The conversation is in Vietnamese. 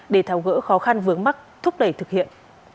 để tháo gỡ khó khăn vướng mắt thúc đẩy thực hiện